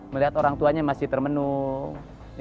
melihat orang tuanya masih termenung